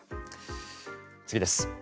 次です。